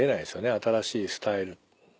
新しいスタイル。